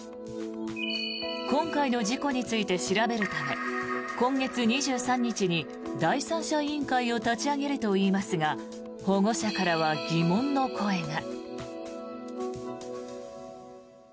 今回の事故について調べるため今月２３日に第三者委員会を立ち上げるといいますが保護者からは疑問の声が。